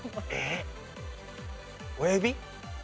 親指？